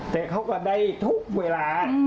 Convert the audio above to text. แต่เขาก็ได้ทุกเวลา